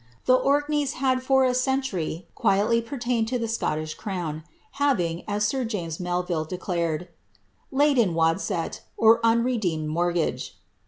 The Orkneys had for a century qui edy pertained to the Scottish crown, having, as sir James Melville declared, ^ laid in wadset, or unredeemed mortgage.